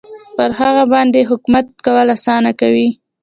پر هغه باندې حکومت کول اسانه کوي.